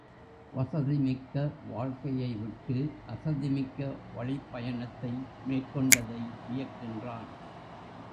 வசதி மிக்க வாழ்க்கையைவிட்டு அசதிமிக்க வழிப் பயணத்தை மேற்கொண்டதை வியக்கின்றான்.